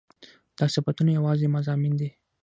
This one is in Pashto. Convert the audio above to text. دا صفتونه يواځې مضامين دي